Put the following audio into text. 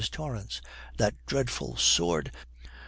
TORRANCE. 'That dreadful sword!